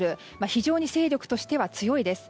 非常に勢力としては強いです。